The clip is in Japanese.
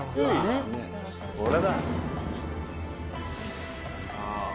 これだ。